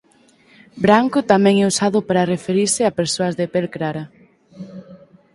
Branco tamén é usado para referirse a persoas de pel clara.